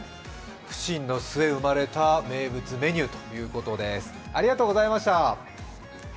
苦心の末生まれた名物メニューということですありがとうございました。